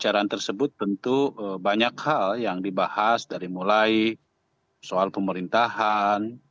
secara tersebut tentu banyak hal yang dibahas dari mulai soal pemerintahan